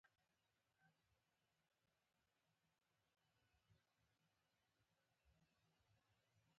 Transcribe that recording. راتلونکې بې هیندارې شیشه ده.